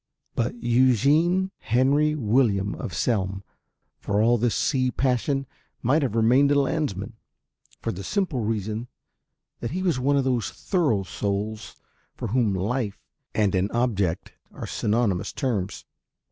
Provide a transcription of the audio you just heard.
But Eugene Henry William of Selm for all this sea passion might have remained a landsman, for the simple reason that he was one of those thorough souls for whom Life and an Object are synonymous terms.